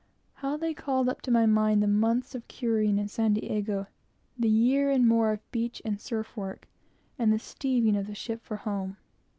How they called up to my mind the months of curing at San Diego, the year and more of beach and surf work, and the steering of the ship for home!